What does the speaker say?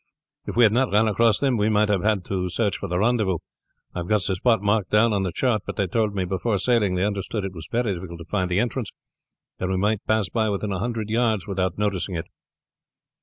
"If we had not run across them we might have had to search for the rendezvous. I have got the spot marked down on the chart, but they told me before sailing that they understood it was very difficult to find the entrance, and we might pass by within a hundred yards without noticing it."